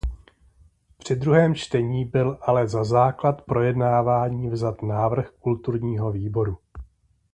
Při druhém čtení byl ale za základ projednávání vzat návrh kulturního výboru.